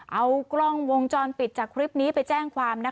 เอากล้องวงจรปิดจากคลิปนี้ไปแจ้งความนะคะ